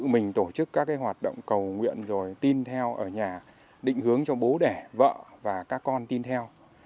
tự mình tổ chức các cái hoạt động cầu nguyện rồi tin theo ở nhà định hướng cho bố đẻ vợ và các con tin theo